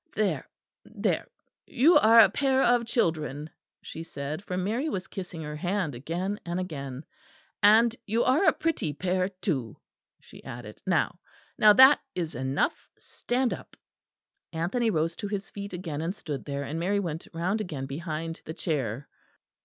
"There, there, you are a pair of children," she said; for Mary was kissing her hand again and again. "And you are a pretty pair, too," she added. "Now, now, that is enough, stand up." Anthony rose to his feet again and stood there; and Mary went round again behind the chair.